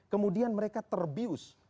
kemudian mereka terbius